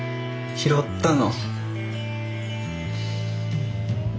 拾ったの。